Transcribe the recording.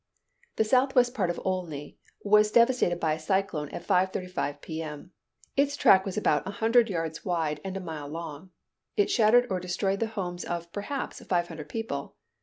The southwest part of Olney was devastated by a cyclone at 5:35 P.M. Its track was about a hundred yards wide and a mile long. It shattered or destroyed the homes of, perhaps, five hundred people.